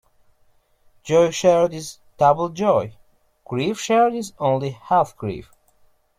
Joy shared is double joy; grief shared is only half grief.